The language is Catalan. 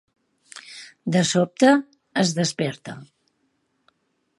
De sobte, es desperta.